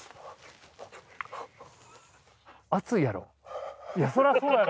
熱いやろ？